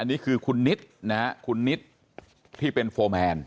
นี่คือคุณนิดนะฮะคุณนิดที่เป็นโฟร์แมน